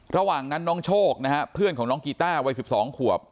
ระหว่างนั้นน้องโชคนะฮะเพื่อนของน้องกีต้าวัย๑๒ขวบ